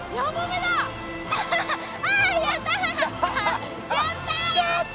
あやった！